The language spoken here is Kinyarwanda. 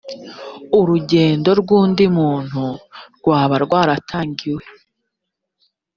rugendo rw undi muntu rwaba rwaratangiwe